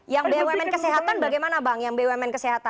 yang bumn kesehatan bagaimana bang yang bumn kesehatan